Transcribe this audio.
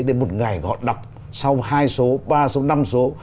đến một ngày họ đọc sau hai số ba số năm số